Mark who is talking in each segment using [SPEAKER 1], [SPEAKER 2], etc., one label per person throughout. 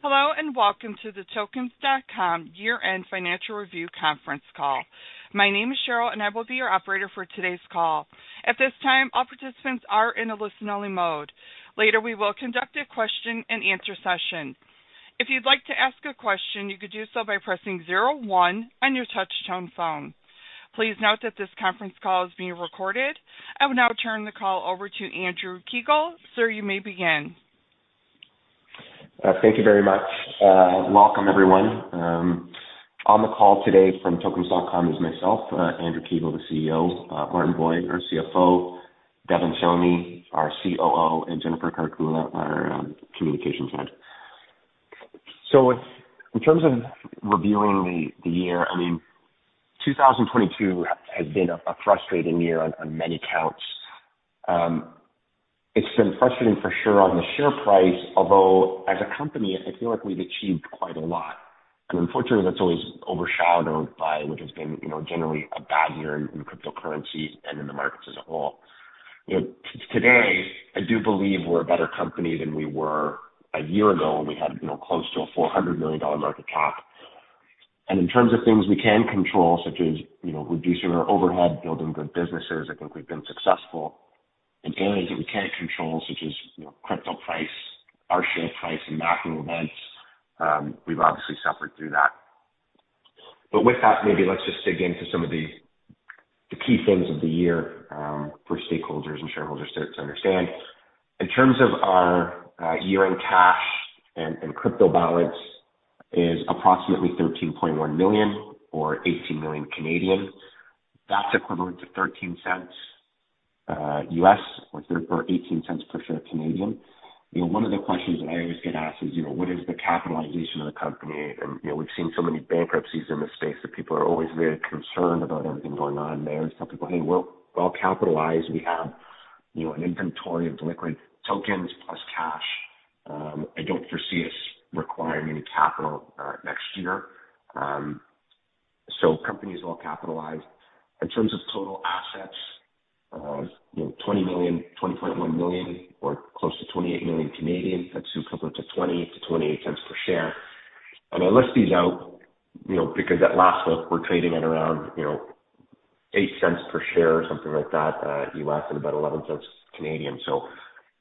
[SPEAKER 1] Hello, welcome to the Tokens.com year-end financial review conference call. My name is Cheryl, and I will be your operator for today's call. At this time, all participants are in a listen-only mode. Later, we will conduct a question-and-answer session. If you'd like to ask a question, you could do so by pressing zero one on your touchtone phone. Please note that this conference call is being recorded. I will now turn the call over to Andrew Kiguel. Sir, you may begin.
[SPEAKER 2] Thank you very much. Welcome everyone. On the call today from Tokens.com is myself, Andrew Kiguel, the CEO, Martin Boyd, our CFO, Deven Soni, our COO, and Jennifer Karkula, our Communications Head. In terms of reviewing the year, I mean, 2022 has been a frustrating year on many counts. It's been frustrating for sure on the share price, although as a company, I feel like we've achieved quite a lot. Unfortunately, that's always overshadowed by what has been generally a bad year in cryptocurrency and in the markets as a whole. You know, today, I do believe we're a better company than we were a year ago when we had, you know, close to a $400 million market cap. In terms of things we can control, such as, you know, reducing our overhead, building good businesses, I think we've been successful. In areas that we can't control, such as crypto price, our share price, and macro events, we've obviously suffered through that. With that, maybe let's just dig into some of the key things of the year for stakeholders and shareholders to understand. In terms of our year-end cash and crypto balance is approximately $13.1 million or 18 million. That's equivalent to $0.13 or 0.18 per share. You know, one of the questions that I always get asked is, you know, what is the capitalization of the company? You know, we've seen so many bankruptcies in the space that people are always very concerned about everything going on there. Some people, "Hey, we're all capitalized. We have, you know, an inventory of liquid tokens plus cash." I don't foresee us requiring any capital next year. Company is well capitalized. In terms of total assets, you know, $20 million, $20.1 million or close to 28 million. That's equivalent to $0.20-$0.28 per share. I list these out, you know, because at last look, we're trading at around, you know, $0.08 per share or something like that, U.S. and about 0.11.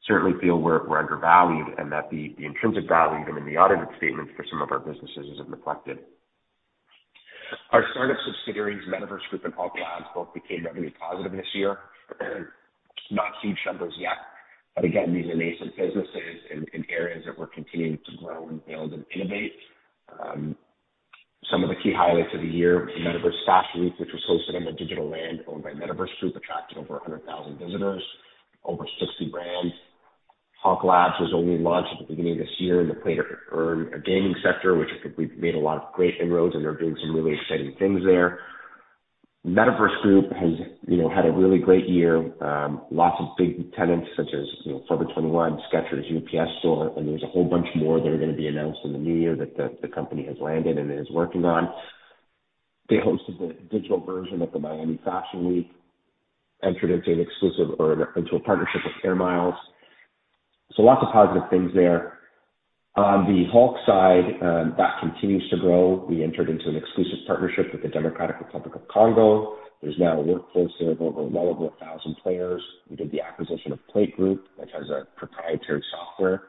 [SPEAKER 2] Certainly feel we're undervalued and that the intrinsic value, even in the audited statements for some of our businesses, isn't reflected. Our startup subsidiaries, Metaverse Group and Hulk Labs, both became revenue positive this year. Not huge numbers yet, again, these are nascent businesses in areas that we're continuing to grow and build and innovate. Some of the key highlights of the year, the Metaverse Fashion Week, which was hosted in the digital land owned by Metaverse Group, attracted over 100,000 visitors, over 60 brands. Hulk Labs was only launched at the beginning of this year in the Play-to-Earn gaming sector, which I think we've made a lot of great inroads, they're doing some really exciting things there. Metaverse Group has, you know, had a really great year. Lots of big tenants such as, you know, Forever 21, Skechers, The UPS Store, and there's a whole bunch more that are gonna be announced in the new year that the company has landed and is working on. They hosted the digital version of the Miami Fashion Week, entered into an exclusive or into a partnership with Air Miles. Lots of positive things there. On the Hulk side, that continues to grow. We entered into an exclusive partnership with the Democratic Republic of Congo. There's now a workforce of well over 1,000 players. We did the acquisition of Plate Group, which has a proprietary software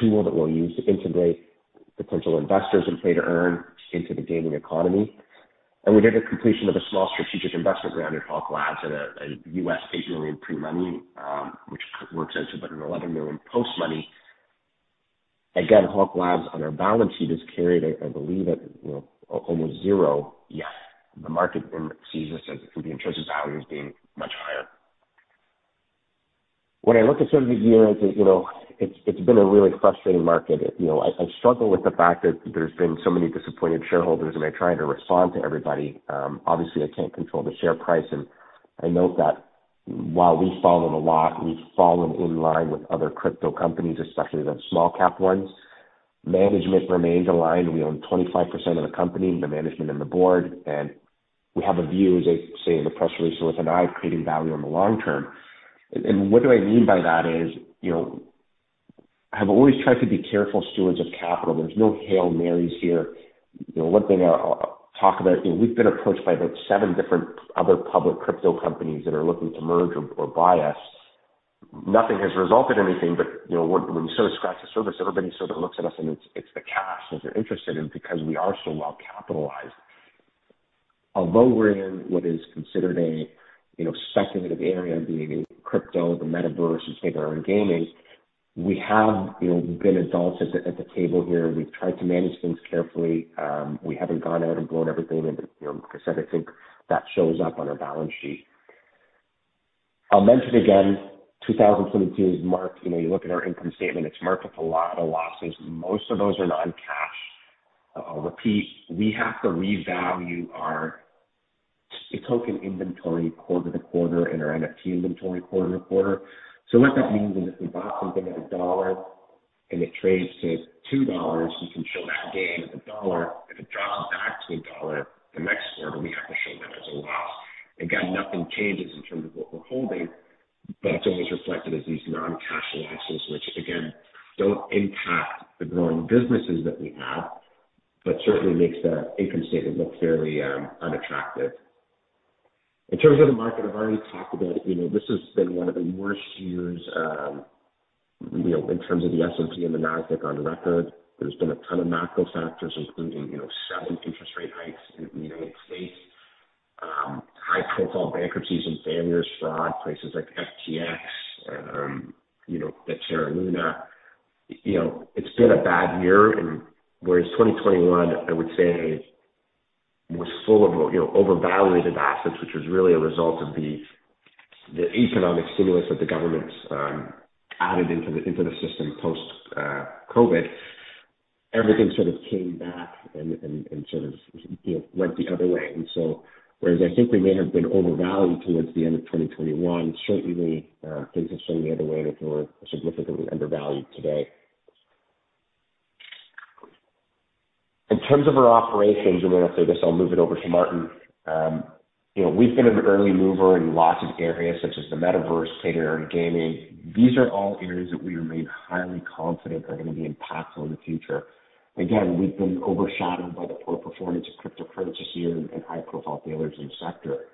[SPEAKER 2] tool that we'll use to integrate potential investors in Play-to-Earn into the gaming economy. We did a completion of a small strategic investment round in Hulk Labs at a $8 million pre-money, which works out to about an $11 million post-money. Again, Hulk Labs on our balance sheet is carried, I believe at almost zero, yet the market sees this as the intrinsic value as being much higher. When I look at some of the year, I think, you know, it's been a really frustrating market. You know, I struggle with the fact that there's been so many disappointed shareholders, and I try to respond to everybody. Obviously, I can't control the share price. I note that while we've fallen a lot, we've fallen in line with other crypto companies, especially the small-cap ones. Management remains aligned. We own 25% of the company, the management and the board. We have a view, as I say in the press release, to listen, I'm creating value in the long term. What do I mean by that is I've always tried to be careful stewards of capital. There's no Hail Marys here. One thing I'll talk about we've been approached by about seven different other public crypto companies that are looking to merge or buy us. Nothing has resulted anything when we sort of scratch the surface, everybody looks at us and it's the cash that they're interested in because we are so well capitalized. Although we're in what is considered a speculative area, being in crypto, the metaverse, and Play-to-Earn gaming, we have been adults at the table here. We've tried to manage things carefully. We haven't gone out and blown everything. You know, like I said, I think that shows up on our balance sheet. I'll mention again, 2022 is marked with a lot of losses. Most of those are non-cash. I'll repeat, we have to revalue our token inventory quarter to quarter and our NFT inventory quarter to quarter. What that means is if we bought something at $1 and it trades to $2, we can show that gain of $1. If it drops back to $1 the next quarter, nothing changes in terms of what we're holding, but it's always reflected as these non-cash losses, which again, don't impact the growing businesses that we have, but certainly makes the income statement look fairly unattractive. In terms of the market, I've already talked about, you know, this has been one of the worst years, you know, in terms of the S&P and the Nasdaq on record. There's been a ton of macro factors including, you know, 7 interest rate hikes in the United States, high-profile bankruptcies and failures, fraud, places like FTX and, Terra Luna. You know, it's been a bad year. Whereas 2021, I would say, was full of over-valuated assets, which was really a result of the economic stimulus that the government added into the, into the system post COVID. Everything sort of came back and went the other way. Whereas I think we may have been overvalued towards the end of 2021, certainly, things have swung the other way, and I think we're significantly undervalued today. In terms of our operations, and then after this, I'll move it over to Martin. You know, we've been an early mover in lots of areas such as the Metaverse, Play-to-Earn gaming. These are all areas that we remain highly confident are gonna be impactful in the future. Again, we've been overshadowed by the poor performance of cryptocurrency this year and high-profile failures in the sector.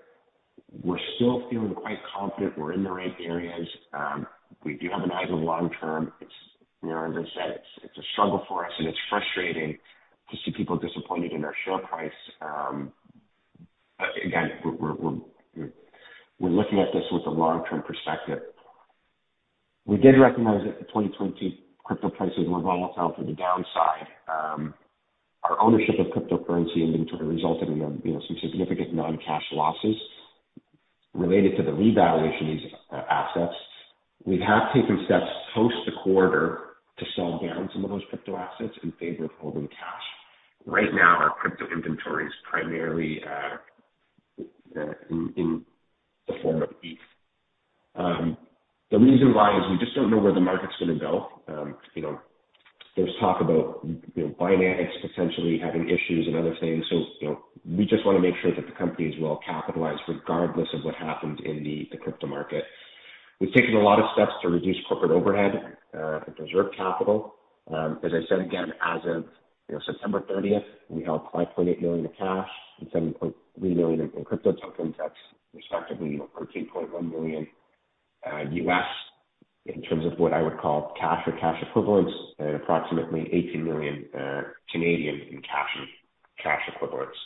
[SPEAKER 2] We're still feeling quite confident we're in the right areas. We do have an eye on the long term. It's, you know, as I said, it's a struggle for us, and it's frustrating to see people disappointed in our share price. Again, we're looking at this with a long-term perspective. We did recognize that the 2020 crypto prices were volatile to the downside. Our ownership of cryptocurrency has been sort of resulted in, you know, some significant non-cash losses related to the revaluation of these assets. We have taken steps post the quarter to sell down some of those crypto assets in favor of holding cash. Right now, our crypto inventory is primarily in the form of ETH. The reason why is we just don't know where the market's gonna go. You know, there's talk about, you know, Binance potentially having issues and other things. You know, we just wanna make sure that the company is well capitalized regardless of what happens in the crypto market. We've taken a lot of steps to reduce corporate overhead and preserve capital. As I said again, as of, you know, September 30th, we held $5.8 million in cash and $7.3 million in crypto token techs, respectively, for $13.1 million in terms of what I would call cash or cash equivalents, and approximately 18 million in cash equivalents.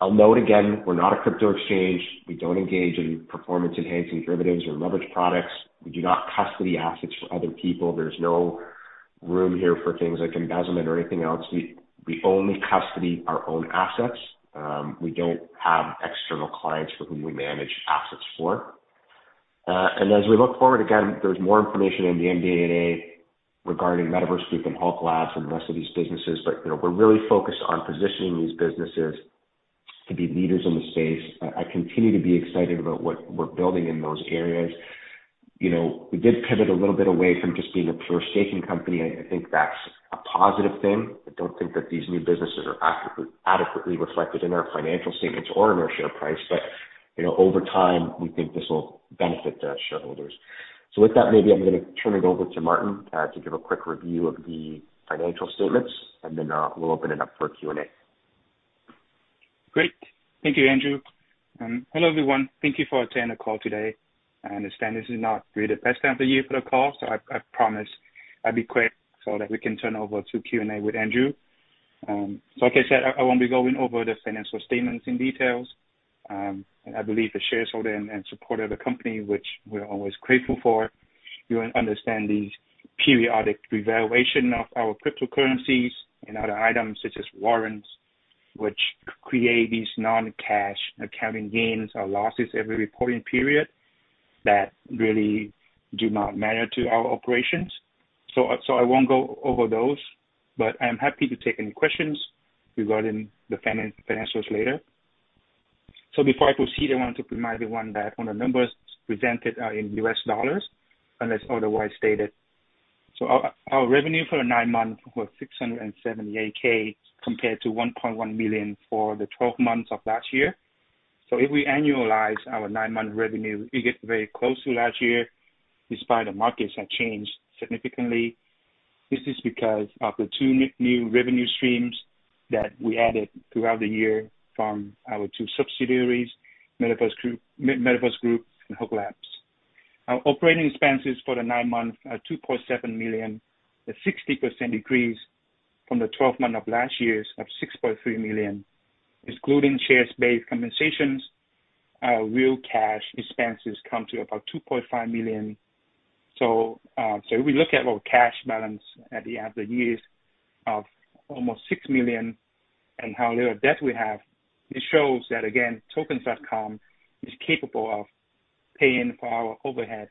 [SPEAKER 2] I'll note again, we're not a crypto exchange. We don't engage in performance enhancing derivatives or leverage products. We do not custody assets for other people. There's no room here for things like embezzlement or anything else. We only custody our own assets. We don't have external clients for whom we manage assets for. As we look forward, again, there's more information in the MD&A regarding Metaverse Group and Hulk Labs and the rest of these businesses. We're really focused on positioning these businesses to be leaders in the space. I continue to be excited about what we're building in those areas. We did pivot a little bit away from just being a pure staking company. I think that's a positive thing. I don't think that these new businesses are adequately reflected in our financial statements or in our share price. Over time, we think this will benefit the shareholders. With that, maybe I'm gonna turn it over to Martin to give a quick review of the financial statements, and then, we'll open it up for Q&A.
[SPEAKER 3] Great. Thank you, Andrew. Hello, everyone. Thank you for attending the call today. I understand this is not really the best time of the year for the call, so I promise I'll be quick so that we can turn over to Q&A with Andrew. Like I said, I won't be going over the financial statements in details. I believe the shareholder and supporter of the company, which we're always grateful for. You understand these periodic revaluation of our cryptocurrencies and other items such as warrants, which create these non-cash accounting gains or losses every reporting period that really do not matter to our operations. I won't go over those, but I'm happy to take any questions regarding the financials later. Before I proceed, I want to remind everyone that all the numbers presented are in US dollars unless otherwise stated. Our revenue for the nine months was $678K compared to $1.1 million for the 12 months of last year. If we annualize our nine-month revenue, we get very close to last year despite the markets have changed significantly. This is because of the two new revenue streams that we added throughout the year from our two subsidiaries, Metaverse Group, Metaverse Group, and Hulk Labs. Our operating expenses for the nine months are $2.7 million, a 60% decrease from the 12 months of last year's of $6.3 million. Excluding shares-based compensations, our real cash expenses come to about $2.5 million. If we look at our cash balance at the end of the years of almost $6 million and how little debt we have, it shows that, again, Tokens.com is capable of paying for our overhead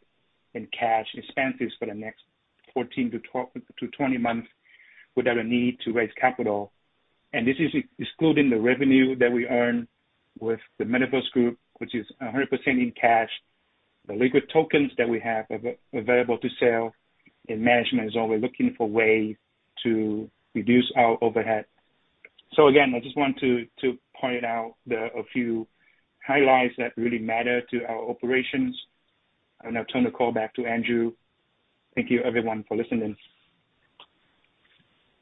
[SPEAKER 3] and cash expenses for the next 14 to 20 months without a need to raise capital. This is excluding the revenue that we earn with the Metaverse Group, which is 100% in cash. The liquid tokens that we have available to sell, management is always looking for ways to reduce our overhead. Again, I just want to point out a few highlights that really matter to our operations, and I'll turn the call back to Andrew. Thank you everyone for listening.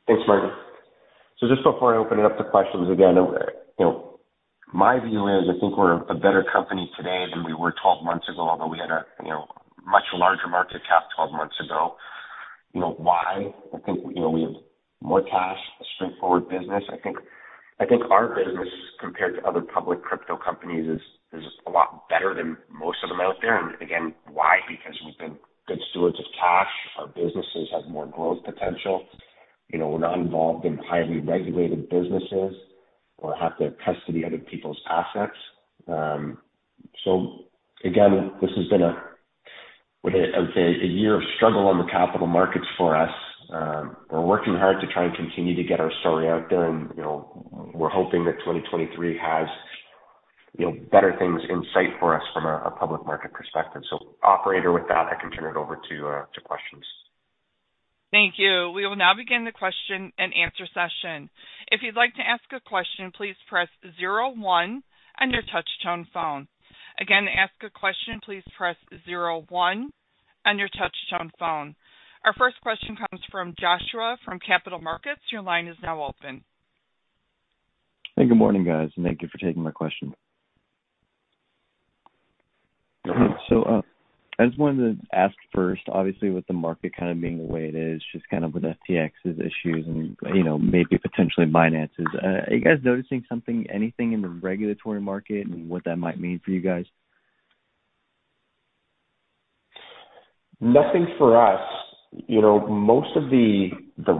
[SPEAKER 2] Thanks, Martin. Just before I open it up to questions again, you know, my view is I think we're a better company today than we were 12 months ago, although we had a, you know, much larger market cap 12 months ago. You know why? I think, you know, we have more cash, a straightforward business. I think our business, compared to other public crypto companies, is a lot better than most of them out there. Again, why? Because we've been good stewards of cash. Our businesses have more growth potential. You know, we're not involved in highly regulated businesses or have to custody other people's assets. Again, this has been a year of struggle on the Capital Markets for us. We're working hard to try and continue to get our story out there. You know, we're hoping that 2023 has, you know, better things in sight for us from a public market perspective. Operator, with that, I can turn it over to questions.
[SPEAKER 1] Thank you. We will now begin the question and answer session. If you'd like to ask a question, please press zero one on your touchtone phone. Again, to ask a question, please press zero one on your touchtone phone. Our first question comes from Joshua from Capital Markets. Your line is now open.
[SPEAKER 4] Hey, good morning, guys, and thank you for taking my question. I just wanted to ask first, obviously with the market kind of being the way it is, just kind of with FTX's issues and, you know, maybe potentially Binance's, are you guys noticing something, anything in the regulatory market and what that might mean for you guys?
[SPEAKER 2] Nothing for us. You know, most of the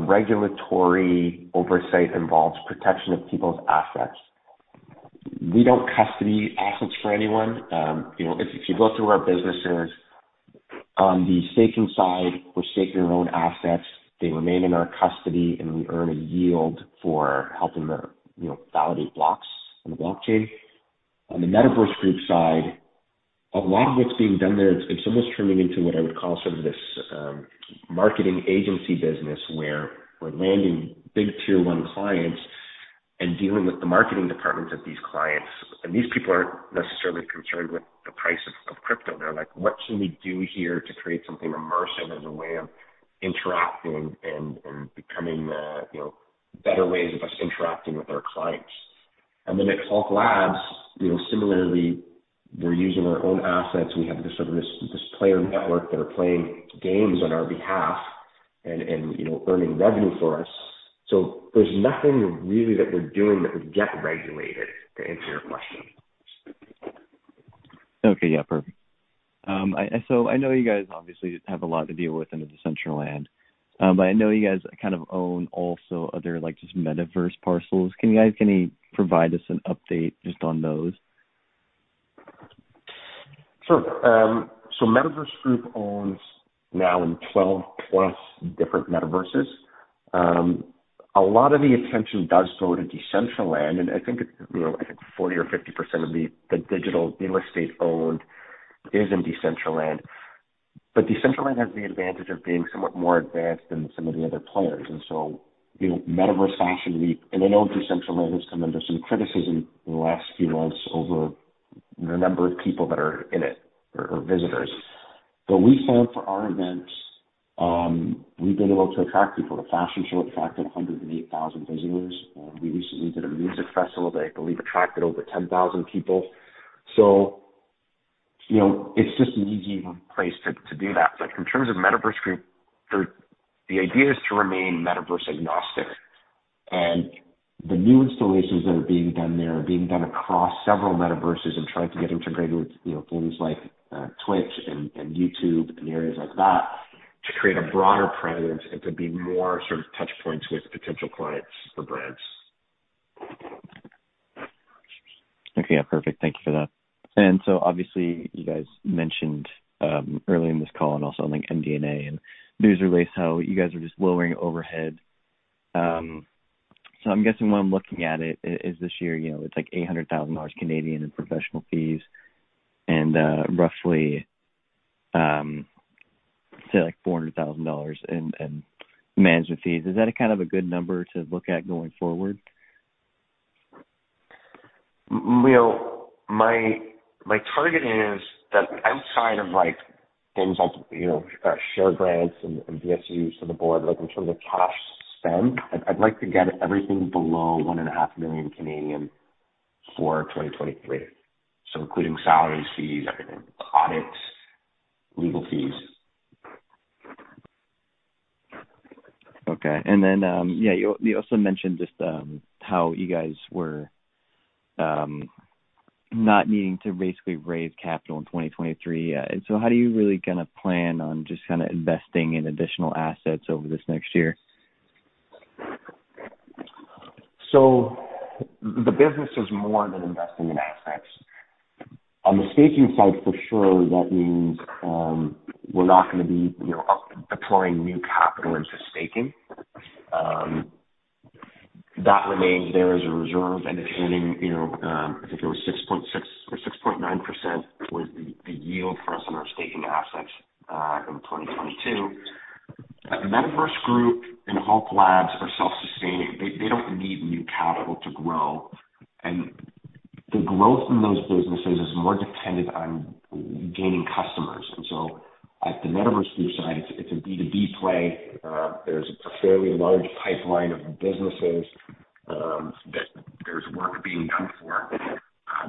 [SPEAKER 2] regulatory oversight involves protection of people's assets. We don't custody assets for anyone. You know, if you go through our businesses, on the staking side, we're staking our own assets. They remain in our custody, and we earn a yield for helping the, you know, validate blocks on the blockchain. On the Metaverse Group side, a lot of what's being done there, it's almost turning into what I would call sort of this marketing agency business, where we're landing big tier one clients and dealing with the marketing departments of these clients. These people aren't necessarily concerned with the price of crypto. They're like, "What can we do here to create something immersive as a way of interacting and becoming, you know, better ways of us interacting with our clients?" At Hulk Labs, you know, similarly, we're using our own assets. We have this player network that are playing games on our behalf and, you know, earning revenue for us. There's nothing really that we're doing that could get regulated, to answer your question.
[SPEAKER 4] Perfect. I know you guys obviously have a lot to deal with in the Decentraland, but I know you guys kind of own also other, like, just Metaverse parcels. Can you guys, can you provide us an update just on those?
[SPEAKER 2] Sure. Metaverse Group owns now in 12+ different Metaverses. A lot of the attention does go to Decentraland, and I think 40% or 50% of the digital real estate owned is in Decentraland. Decentraland has the advantage of being somewhat more advanced than some of the other players. You know, Metaverse Fashion Week, and I know Decentraland has come under some criticism in the last few months over the number of people that are in it, or visitors. We found for our events, we've been able to attract people. The fashion show attracted 108,000 visitors. We recently did a music festival that I believe attracted over 10,000 people. You know, it's just an easy place to do that. In terms of Metaverse Group, the idea is to remain Metaverse agnostic. The new installations that are being done there are being done across several Metaverses and trying to get integrated with, you know, things like Twitch and YouTube and areas like that to create a broader presence and to be more sort of touch points with potential clients for brands.
[SPEAKER 4] Perfect. Thank you for that. Obviously you guys mentioned, early in this call and also on the MD&A and news release how you guys are just lowering overhead. I'm guessing what I'm looking at is this year, you know, it's like 800,000 Canadian dollars in professional fees and, roughly, say like 400,000 dollars in management fees. Is that a kind of a good number to look at going forward?
[SPEAKER 2] My target is that outside of like things like share grants and RSUs to the board, like in terms of cash spend, I'd like to get everything below 1.5 million for 2023, so including salary fees, everything, audits, legal fees.
[SPEAKER 4] You also mentioned just how you guys were not needing to basically raise capital in 2023. How do you really plan on just investing in additional assets over this next year?
[SPEAKER 2] The business is more than investing in assets. On the staking side, for sure, that means, we're not gonna be, you know, up deploying new capital into staking. That remains there as a reserve and earning it was 6.6% or 6.9% was the yield for us on our staking assets, in 2022. Metaverse Group and Hulk Labs are self-sustaining. They don't need new capital to grow. The growth in those businesses is more dependent on gaining customers. At the Metaverse Group side, it's a B2B play. There's a fairly large pipeline of businesses, that there's work being done for.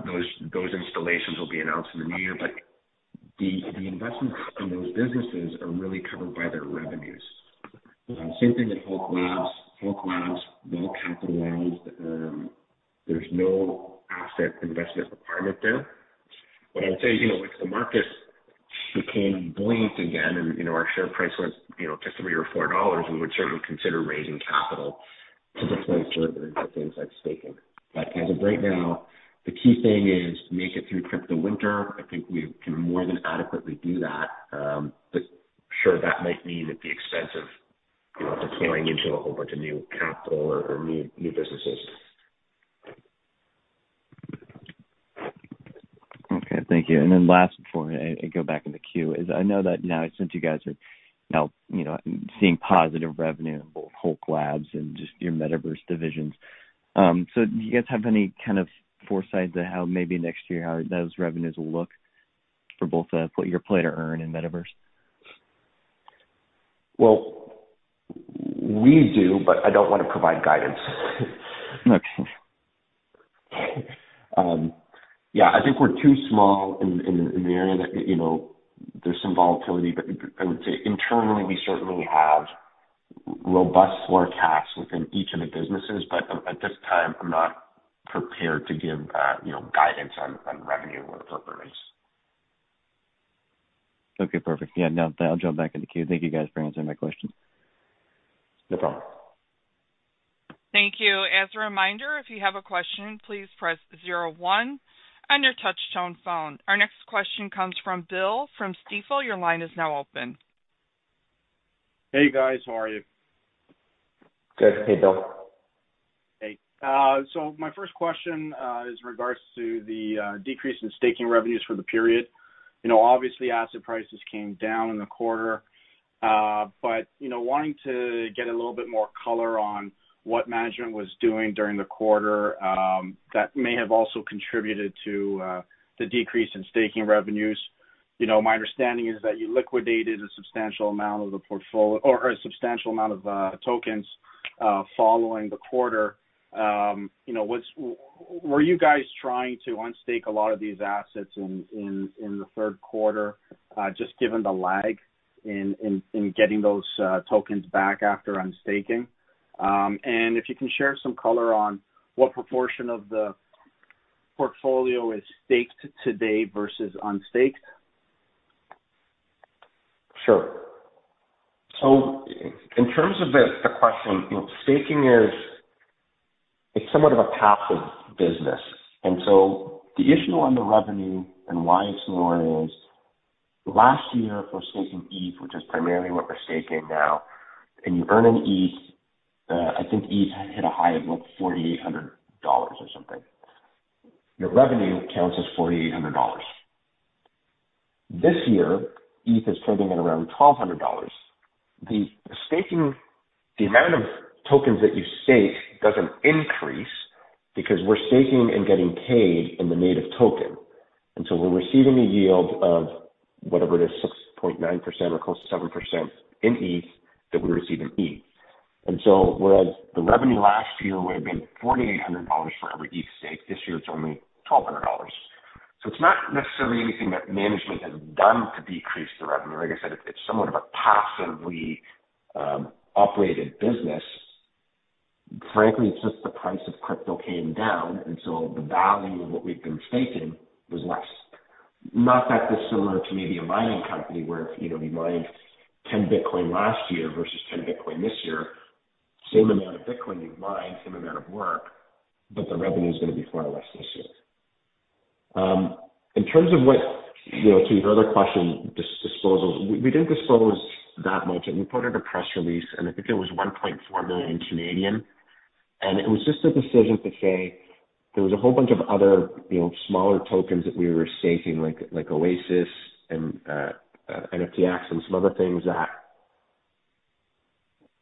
[SPEAKER 2] Those, those installations will be announced in the new year. The investments in those businesses are really covered by their revenues. Same thing with Hulk Labs. Hulk Labs, well-capitalized. There's no asset investment requirement there. What I'll say, you know, if the market became buoyant again and, you know, our share price was, you know, just $3 or $4, we would certainly consider raising capital to deploy to other things like staking. As of right now, the key thing is make it through crypto winter. I think we can more than adequately do that. Sure, that might mean at the expense of, you know, just scaling into a whole bunch of new capital or new businesses.
[SPEAKER 4] Okay. Thank you. Last before I go back in the queue is I know that now since you guys are now, you know, seeing positive revenue in both Hulk Labs and just your Metaverse divisions, do you guys have any kind of foresight to how maybe next year, how those revenues will look for both for your Play-to-Earn and Metaverse?
[SPEAKER 2] Well, we do, but I don't want to provide guidance.
[SPEAKER 4] Okay.
[SPEAKER 2] I think we're too small in the area that, you know, there's some volatility. I would say internally we certainly have robust forecasts within each of the businesses. At this time, I'm not prepared to give, you know, guidance on revenue or earnings.
[SPEAKER 4] Okay, perfect. Now I'll jump back in the queue. Thank you, guys, for answering my questions.
[SPEAKER 2] No problem.
[SPEAKER 1] Thank you. As a reminder, if you have a question, please press zero one on your touchtone phone. Our next question comes from Bill from Stifel. Your line is now open.
[SPEAKER 5] Hey, guys. How are you?
[SPEAKER 2] Good. Hey, Bill.
[SPEAKER 5] Hey. My first question is in regards to the decrease in staking revenues for the period. You know, obviously asset prices came down in the quarter, but, you know, wanting to get a little bit more color on what management was doing during the quarter, that may have also contributed to the decrease in staking revenues. You know, my understanding is that you liquidated a substantial amount of or a substantial amount of tokens, following the quarter. You know, were you guys trying to unstake a lot of these assets in the third quarter, just given the lag in getting those tokens back after unstaking? If you can share some color on what proportion of the portfolio is staked today versus unstaked.
[SPEAKER 2] Sure. In terms of the question, you know, staking is. It's somewhat of a passive business. The issue on the revenue and why it's lower is last year for staking ETH, which is primarily what we're staking now, and you earn an ETH, I think ETH hit a high of, what, $4,800 or something. Your revenue counts as $4,800. This year, ETH is trading at around $1,200. The staking, the amount of tokens that you stake doesn't increase because we're staking and getting paid in the native token, and so we're receiving a yield of whatever it is, 6.9% or close to 7% in ETH that we receive in ETH. Whereas the revenue last year would have been $4,800 for every ETH staked, this year it's only $1,200. It's not necessarily anything that management has done to decrease the revenue. Like I said, it's somewhat of a passively operated business. Frankly, it's just the price of crypto came down, the value of what we've been staking was less. Not that dissimilar to maybe a mining company where if, you know, you mined 10 Bitcoin last year versus 10 Bitcoin this year, same amount of Bitcoin you mined, same amount of work, the revenue is gonna be far less this year. In terms of what, you know, to your other question, disposal, we didn't dispose that much. We put out a press release, I think it was 1.4 million. It was just a decision to say there was a whole bunch of other, you know, smaller tokens that we were staking, like Oasis and NFTX and some other things that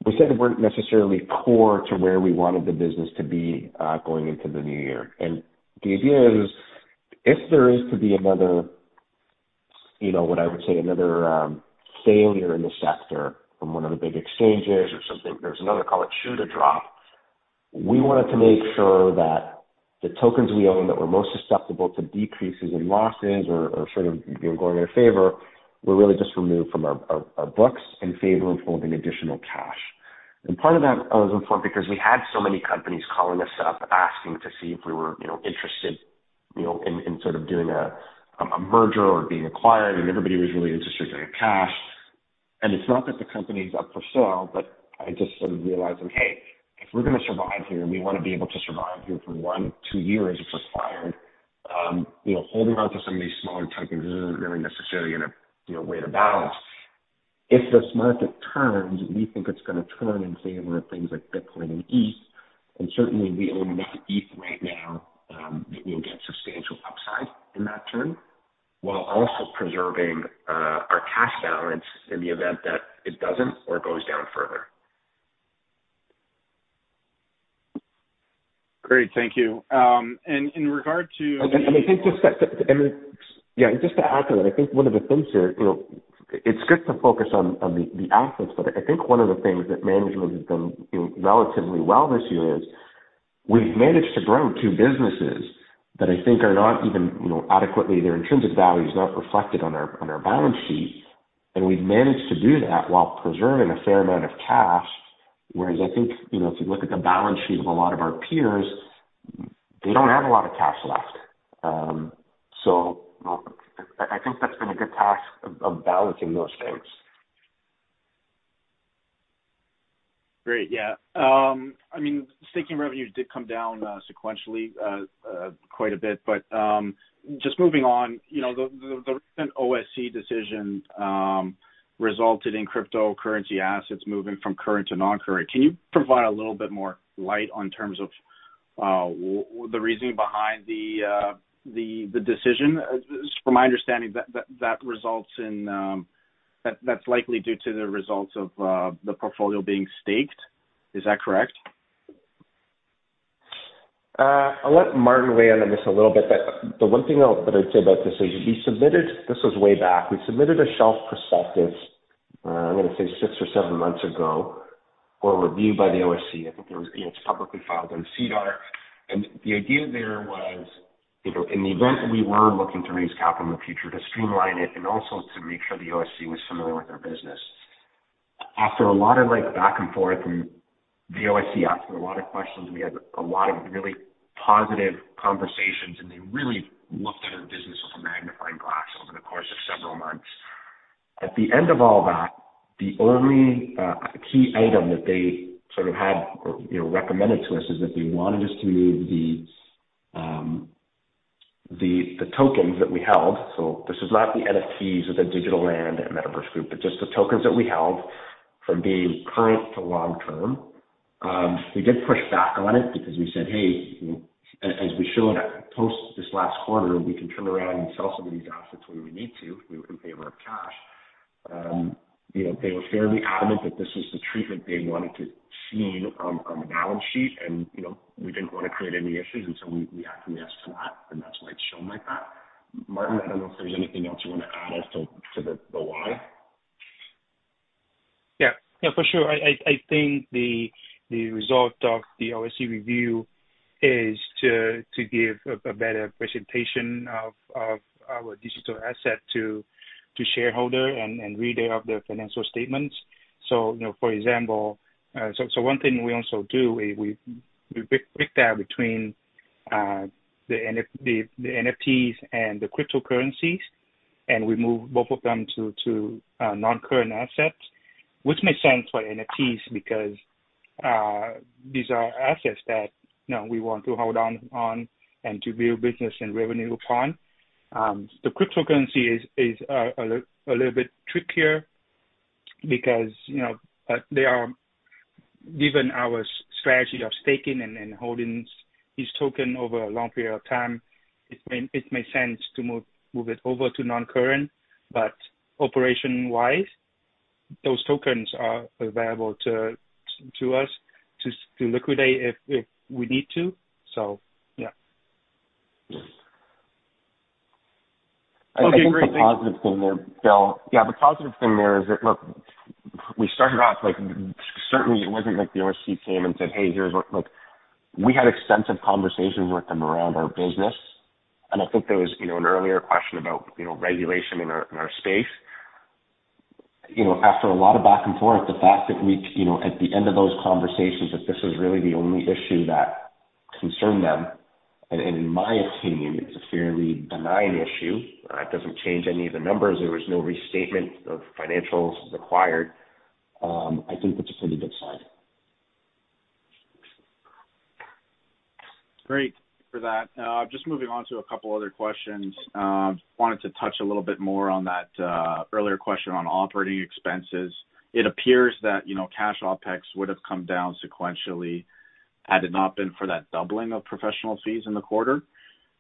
[SPEAKER 2] we said that weren't necessarily core to where we wanted the business to be going into the new year. The idea is if there is to be another, you know, what I would say, another failure in the sector from one of the big exchanges or something, there's another call it shoe to drop, we wanted to make sure that the tokens we own that were most susceptible to decreases in losses or sort of, you know, going in our favor, were really just removed from our books in favor of holding additional cash. Part of that was important because we had so many companies calling us up asking to see if we were, you know, interested, you know, in sort of doing a merger or being acquired, and everybody was really interested in cash. It's not that the company is up for sale, but I just sort of realized that, hey, if we're gonna survive here and we wanna be able to survive here for 1, 2 years if we're acquired, you know, holding on to some of these smaller tokens isn't really necessarily in a, you know, way to balance. If this market turns, we think it's gonna turn in favor of things like Bitcoin and ETH, and certainly we own enough ETH right now, that we'll get substantial upside in that turn while also preserving our cash balance in the event that it doesn't or it goes down further.
[SPEAKER 5] Great. Thank you.
[SPEAKER 2] I think just. Then and just to add to it, I think one of the things here, you know, it's good to focus on the assets, but I think one of the things that management has done, you know, relatively well this year is we've managed to grow two businesses that I think are not even, you know, adequately their intrinsic value is not reflected on our balance sheet. We've managed to do that while preserving a fair amount of cash. I think, you know, if you look at the balance sheet of a lot of our peers, they don't have a lot of cash left. I think that's been a good task of balancing those things.
[SPEAKER 5] Staking revenues did come down sequentially quite a bit. Just moving on the recent OSC decision resulted in cryptocurrency assets moving from current to non-current. Can you provide a little bit more light on terms of the reasoning behind the decision? From my understanding, that results in that's likely due to the results of the portfolio being staked. Is that correct?
[SPEAKER 2] I'll let Martin weigh in on this a little bit. The one thing that I'd say about this is we submitted. This was way back. We submitted a shelf perspective, I'd say 6 or 7 months ago for review by the OSC. I think it was. It's publicly filed on SEDAR. The idea there was in the event we were looking to raise capital in the future to streamline it and also to make sure the OSC was familiar with our business. After a lot of like back and forth, the OSC asked a lot of questions, and we had a lot of really positive conversations, and they really looked at our business with a magnifying glass over the course of several months. At the end of all that, the only key item that they sort of had or, you know, recommended to us is that they wanted us to move the tokens that we held. This was not the NFTs or the digital land and Metaverse Group, but just the tokens that we held from being current to long-term. We did push back on it because we said, "Hey, you know, as we showed at post this last quarter, we can turn around and sell some of these assets when we need to if we were in favor of cash." You know, they were fairly adamant that this was the treatment they wanted to see on the balance sheet. You know, we didn't wanna create any issues, and so we acquiesced to that, and that's why it's shown like that. Martin, I don't know if there's anything else you wanna add as to the why?
[SPEAKER 3] For sure. I think the result of the OSC review is to give a better presentation of our digital asset to shareholder and reader of the financial statements. You know, for example. One thing we also do is we break down between the NFTs and the cryptocurrencies, and we move both of them to non-current assets. Which makes sense for NFTs because these are assets that, you know, we want to hold on, and to build business and revenue upon. The cryptocurrency is a little bit trickier because, you know, they are given our strategy of staking and holding these token over a long period of time. It makes sense to move it over to non-current. Operation-wise, those tokens are available to us to liquidate if we need to.
[SPEAKER 5] Okay. Great.
[SPEAKER 2] I think the positive thing there, Bill. The positive thing there is that, look, we started off like certainly it wasn't like the OSC came and said, "Hey, here's what" Look, we had extensive conversations with them around our business. I think there was, you know, an earlier question about, you know, regulation in our, in our space. You know, after a lot of back and forth, the fact that we, you know, at the end of those conversations, that this was really the only issue that concerned them, and in my opinion, it's a fairly benign issue. It doesn't change any of the numbers. There was no restatement of financials required. I think that's a pretty good sign.
[SPEAKER 5] Great for that. Just moving on to a couple other questions. Wanted to touch a little bit more on that earlier question on operating expenses. It appears that, you know, cash OPEX would have come down sequentially had it not been for that doubling of professional fees in the quarter.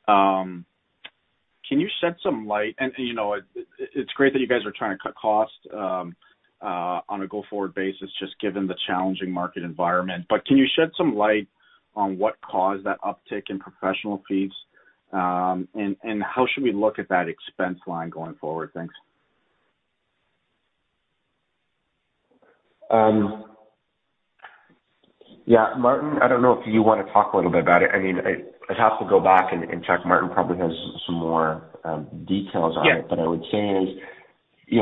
[SPEAKER 5] Can you shed some light? You know, it's great that you guys are trying to cut costs on a go-forward basis, just given the challenging market environment. Can you shed some light on what caused that uptick in professional fees? And how should we look at that expense line going forward? Thanks.
[SPEAKER 2] Martin, I don't know if you wanna talk a little bit about it. I mean, I'd have to go back and check. Martin probably has some more details on it. I would say is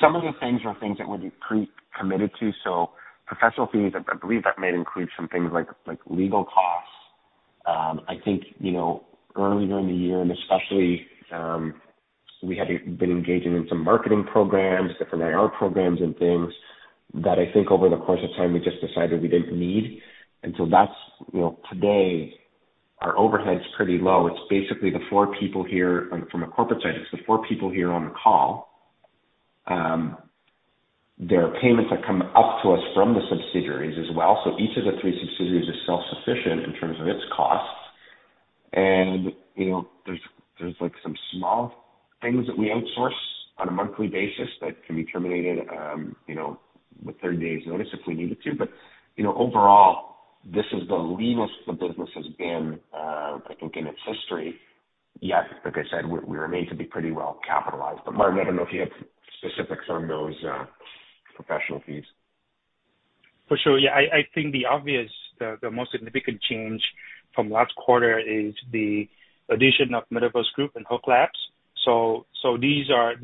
[SPEAKER 2] some of the things are things that we'd pre-committed to. Professional fees, I believe that may include some things like legal costs. Early during the year and especially, we had been engaging in some marketing programs, different IR programs and things that I think over the course of time we just decided we didn't need. That's, you know, today. Our overhead's pretty low. It's basically the four people here from a corporate side, it's the four people here on the call. There are payments that come up to us from the subsidiaries as well. Each of the three subsidiaries is self-sufficient in terms of its costs. There's like some small things that we outsource on a monthly basis that can be terminated with 30 days notice if we needed to. Overall, this is the leanest the business has been, I think in its history. Yet, like I said, we're made to be pretty well capitalized. Martin, I don't know if you have specifics on those professional fees.
[SPEAKER 3] For sure. The obvious, the most significant change from last quarter is the addition of Metaverse Group and Hulk Labs. These are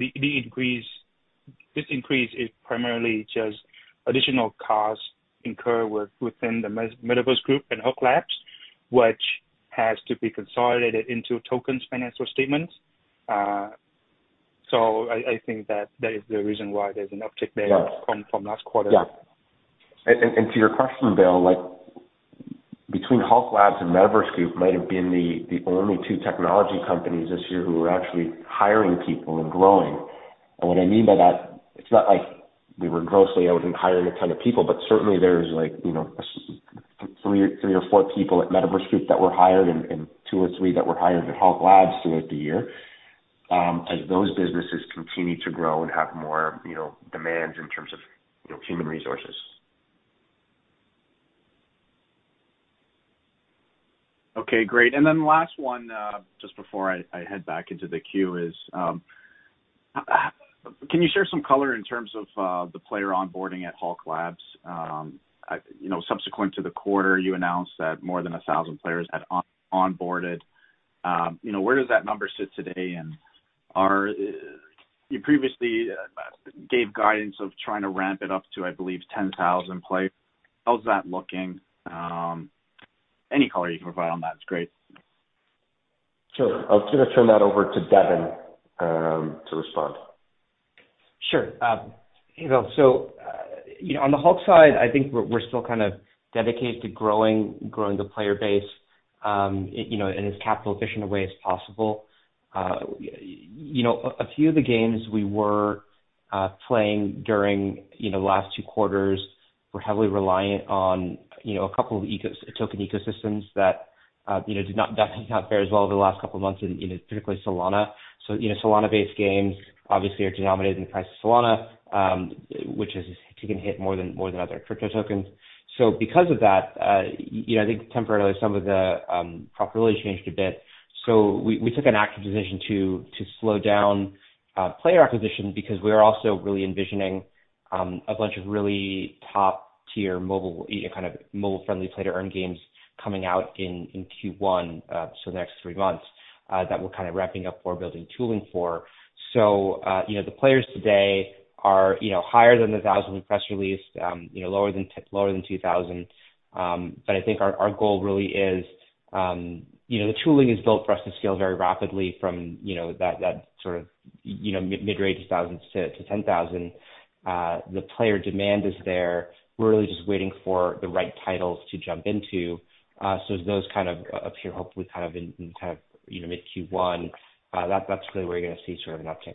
[SPEAKER 3] this increase is primarily just additional costs incurred within the Metaverse Group and Hulk Labs, which has to be consolidated into Tokens' financial statements. I think that that is the reason why there's an uptick there from last quarter.
[SPEAKER 2] And to your question, Bill, like between Hulk Labs and Metaverse Group might have been the only two technology companies this year who were actually hiring people and growing. What I mean by that, it's not like we were grossly out and hiring a ton of people. Certainly there's like, you know, three or four people at Metaverse Group that were hired and two or three that were hired at Hulk Labs throughout the year as those businesses continue to grow and have more, you know, demands in terms of human resources.
[SPEAKER 5] Okay, great. Last one, just before I head back into the queue is, can you share some color in terms of the player onboarding at Hulk Labs? You know, subsequent to the quarter, you announced that more than 1,000 players had onboarded. You know, where does that number sit today? You previously gave guidance of trying to ramp it up to 10,000 players. How's that looking? Any color you can provide on that's great.
[SPEAKER 2] Sure. I was gonna turn that over to Deven, to respond.
[SPEAKER 6] Sure. On the Hulk side, I think we're still dedicated to growing the player base in as capital-efficient a way as possible. A few of the games we were playing during the last two quarters were heavily reliant on a couple of Token ecosystems that did not fare as well over the last couple of months in particularly Solana. Solana-based games obviously are denominated in the price of Solana, which has taken a hit more than other crypto tokens. Because of that, I think temporarily some of the popularity changed a bit. We took an active decision to slow down player acquisition because we are also really envisioning a bunch of really top-tier mobile-friendly Play-to-Earn games coming out in Q1, so the next three months, that we're kind of wrapping up for building tooling for. You know, the players today are igher than the 1,000 we press released lower than 2,000. I think our goal really is the tooling is built for us to scale very rapidly from, you know, that mid-range thousands to 10,000. The player demand is there. We're really just waiting for the right titles to jump into. Those kind of appear hopefully in mid-Q1. That's really where you're gonna see an uptick.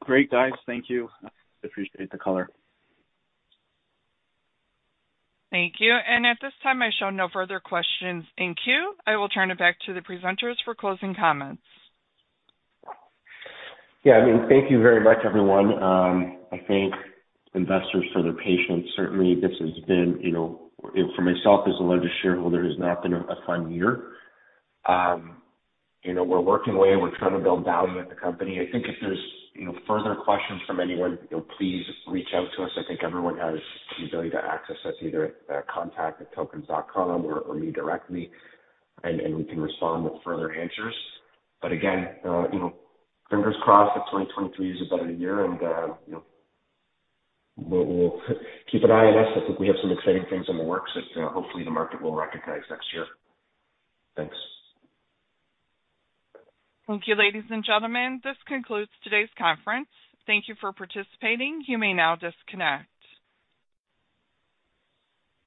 [SPEAKER 5] Great, guys. Thank you. Appreciate the color.
[SPEAKER 1] Thank you. At this time, I show no further questions in queue. I will turn it back to the presenters for closing comments.
[SPEAKER 2] Thank you very much, everyone. I thank investors for their patience. Certainly, this has been, and for myself as the largest shareholder, it has not been a fun year. We're working away and we're trying to build value at the company. I think if there's further questions from anyone please reach out to us. I think everyone has the ability to access us either at contact@tokens.com or me directly, and we can respond with further answers. Again, fingers crossed that 2023 is a better year and we'll keep an eye on us. I think we have some exciting things in the works that hopefully the market will recognize next year. Thanks.
[SPEAKER 1] Thank you, ladies and gentlemen. This concludes today's conference. Thank you for participating. You may now disconnect.